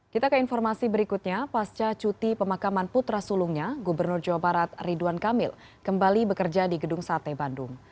kita ke informasi berikutnya pasca cuti pemakaman putra sulungnya gubernur jawa barat ridwan kamil kembali bekerja di gedung sate bandung